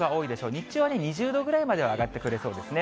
日中は２０度ぐらいまでは上がってくれそうですね。